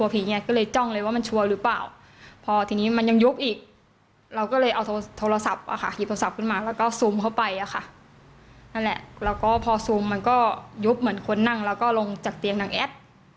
พอซูมมันก็ยุบเหมือนคนนั่งแล้วก็ลงจากเตียงดังแอ็ด